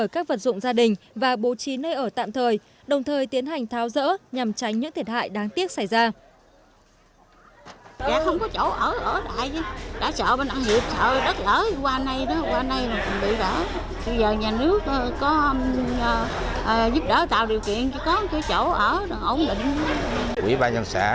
các vật dụng gia đình và bố trí nơi ở tạm thời đồng thời tiến hành tháo dỡ nhằm tránh những thiệt hại đáng tiếc xảy ra